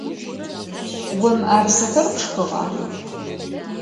Vo mı'erıser pşşxığa?